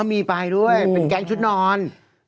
มีไปด้วยเป็นแก๊งชุดนอน